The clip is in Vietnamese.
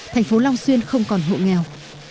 thành phố long xuyên không còn hộ nghèo